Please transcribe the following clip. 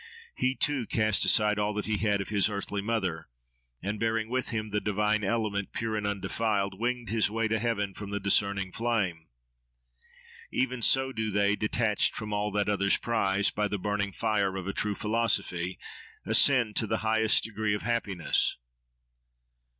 He too cast aside all that he had of his earthly mother, and bearing with him the divine element, pure and undefiled, winged his way to heaven from the discerning flame. Even so do they, detached from all that others prize, by the burning fire of a true philosophy, ascend to the highest degree of happiness.